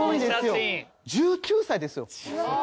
１９歳ですよ。